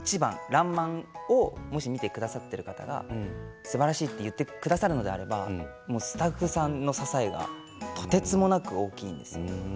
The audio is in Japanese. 「らんまん」をもし見てくださっている方がすばらしいと言ってくださるのであればもうスタッフさんの支えがとてつもなく大きいですね。